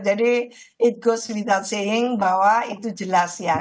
jadi it goes without saying bahwa itu jelas ya